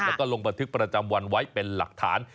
แล้วก็ลงบันทึกประจำวันไว้เป็นหลักฐาน